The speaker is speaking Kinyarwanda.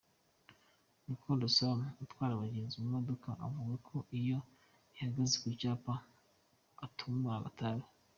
Rukundo Sam, atwara abagenzi mu modoka, avuga ko iyo ihagaze ku cyapa atumura agatabi.